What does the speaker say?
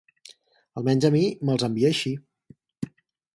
Almenys a mi me'ls envia així.